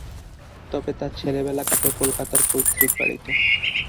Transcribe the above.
তবে তার ছেলেবেলা কাটে কলকাতার পৈত্রিক বাড়িতে।